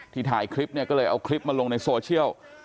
ที่ถ่ายคลิปก็เลยเอาคลิปมาลงในโซเชียล